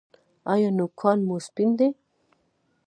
ایا نوکان مو سپین دي؟